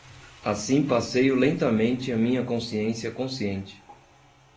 Assim passeio lentamente a minha inconsciência consciente